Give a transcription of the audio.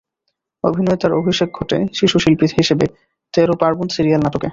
অভিনয়ে তার অভিষেক ঘটে শিশু শিল্পী হিসেবে, তেরো পার্বণ সিরিয়াল নাটকে।